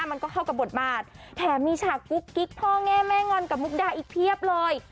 มันก็เข้ากับบทบาทแถมมีฉากกุ๊กกิ๊กพ่อแง่แม่งอนกับมุกดาอีกเพียบเลย